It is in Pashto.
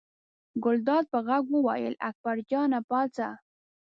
ګلداد په غږ وویل اکبر جانه پاڅه.